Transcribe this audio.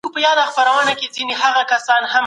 کوم ځایونه د ارام او ذهني قدم وهلو لپاره غوره دي؟